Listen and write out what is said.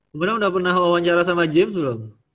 sebenarnya udah pernah wawancara sama james belum